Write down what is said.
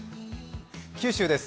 九州です。